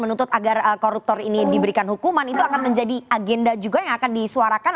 menuntut agar koruptor ini diberikan hukuman itu akan menjadi agenda juga yang akan disuarakan